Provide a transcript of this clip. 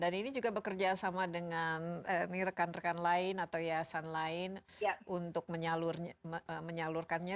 dan ini juga bekerja sama dengan rekan rekan lain atau hiasan lain untuk menyalurkannya